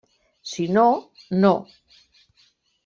Si no, no.